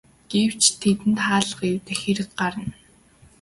Гэвч тэдэнд хаалга эвдэх хэрэг гарна.